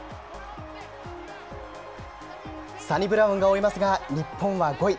サニブラウンが追いますが、日本は５位。